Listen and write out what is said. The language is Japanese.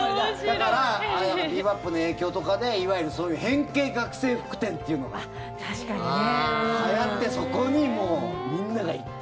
だから「ビー・バップ」の影響とかでいわゆる変形学生服店っていうのがはやってそこにもう、みんなが行って。